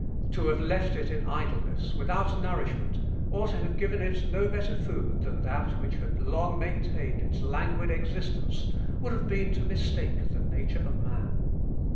To have left it in idleness, without nourishment, or to have given it no better food than that which had long maintained its languid existence, would have been to mistake the nature of man.